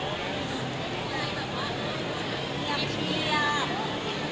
เงียบเชียบ